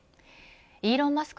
イーロン・マスク